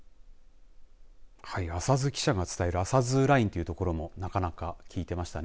あさず記者が伝えるアサズーラインというところもなかなか効いていましたね。